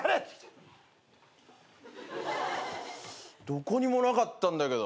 どこにもなかったんだけど。